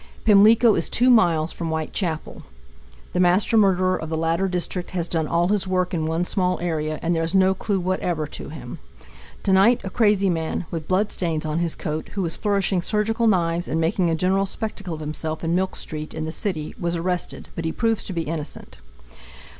Pimlico is two miles from Whitechapel. The master murderer of the latter district has done all his work in one small area, and there is no clue whatever to him. To night a crazy man, with blood stains on his coat, who was flourishing surgical knives and making a general spectacle of himself in Milk street in the city, was arrested, but he proves to be innocent.